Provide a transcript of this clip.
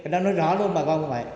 đó nói rõ luôn bà con không phải